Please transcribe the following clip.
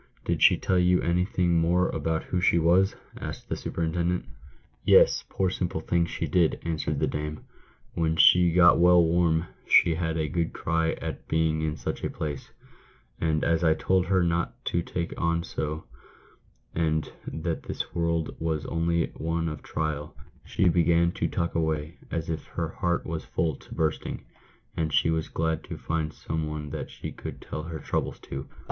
" Did she tell you anything more about who she was ?" asked the superintendent. " Yes, poor simple thing, she did," answered the dame ;" when she got well warm, she had a good cry at being in such a place ; and as I told her not to take on so, and that this world was only one of trial, she began to talk away as if her heart was full to bursting, and she was glad to find some one that she could tell her troubles to."